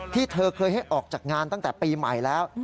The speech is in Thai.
เธอเคยให้ออกจากงานตั้งแต่ปีใหม่แล้ว